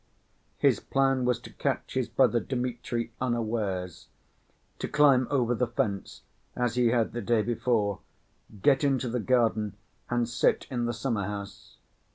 His plan was to catch his brother Dmitri unawares, to climb over the fence, as he had the day before, get into the garden and sit in the summer‐house.